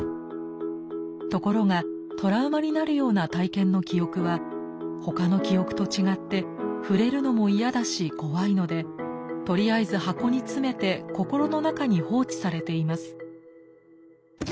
ところがトラウマになるような体験の記憶はほかの記憶と違って触れるのも嫌だし怖いのでとりあえず箱に詰めて心の中に放置されています。